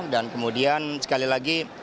dan kemudian sekali lagi